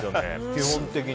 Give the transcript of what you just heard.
基本的に。